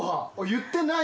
言ってない。